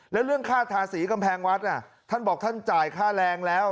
แล้วเรื่องค่าทาสีกำแพงวัดท่านบอกท่านจ่ายค่าแรงแล้ว